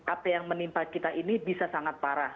apa yang menimpa kita ini bisa sangat parah